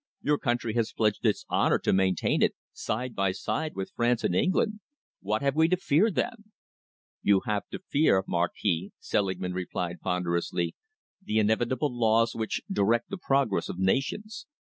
Your country has pledged its honour to maintain it, side by side with France and England. What have we to fear, then?" "You have to fear, Marquis," Selingman replied ponderously, "the inevitable laws which direct the progress of nations.